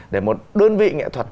để một đơn vị nghệ thuật